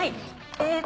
えっ！